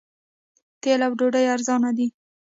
تیل او ډوډۍ ارزانه دي.